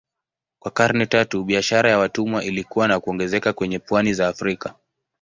Kwa karne tatu biashara ya watumwa ilikua na kuongezeka kwenye pwani za Afrika.